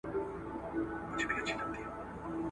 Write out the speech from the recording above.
چي لا څومره د اسمان زړه ورته ډک دی ..